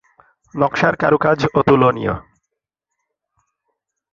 নকশার কারুকাজ অতুলনীয়।